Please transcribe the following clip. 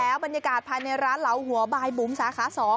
บรรยากาศภายในร้านเหลาหัวบายบุ๋มสาขา๒